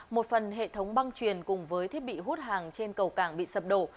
một phần hệ thống băng truyền cùng với thiết bị hút hàng trên cầu cảng bị sập đổ